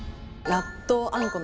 納豆あんこ！？